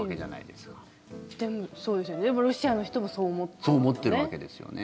でも、ロシアの人もそう思ってるんですよね。